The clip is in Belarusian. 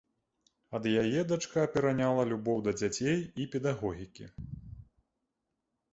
Ад яе дачка пераняла любоў да дзяцей і педагогікі.